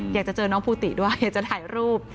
อยากจะเจอน้องภูติด้วยอยากจะถ่ายรูป